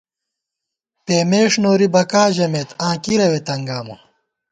پېمېݭ نوری بَکا ژَمېت، آں کِرَوے تنگامہ